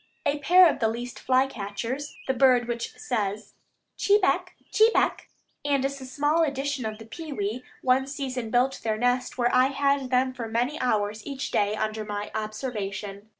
A pair of the least fly catchers, the bird which says chebec, chebec, and is a small edition of the pewee, one season built their nest where I had them for many hours each day under my observation.